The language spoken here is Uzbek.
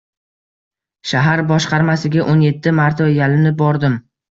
Shahar boshqarmasiga o’n yetti marta yalinib bordim.